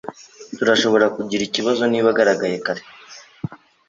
Turashobora kugira ikibazo niba agaragaye kare.